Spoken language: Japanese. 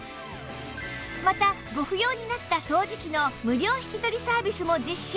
またご不要になった掃除機の無料引き取りサービスも実施